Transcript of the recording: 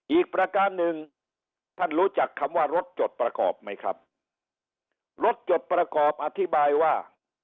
อีกประการหนึ่งท่านรู้จักคำว่ารถจดประกอบไหมครับรถจดประกอบอธิบายว่า